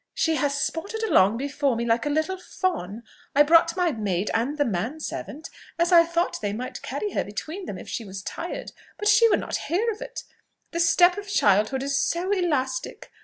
"She has sported along before me like a little fawn! I brought my maid and the man servant, as I thought they might carry her between them if she was tired; but she would not hear of it the step of childhood is so elastic!